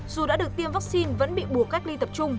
dù đã được tiêm vaccine vẫn bị buộc cách ly tập trung